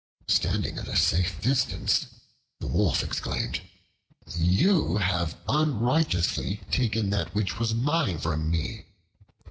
Standing at a safe distance, the Wolf exclaimed, "You have unrighteously taken that which was mine from me!"